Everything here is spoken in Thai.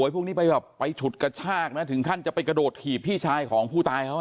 พวกนี้ไปแบบไปฉุดกระชากนะถึงขั้นจะไปกระโดดถีบพี่ชายของผู้ตายเขา